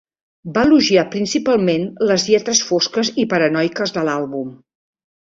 Va elogiar principalment les lletres fosques i paranoiques de l'àlbum.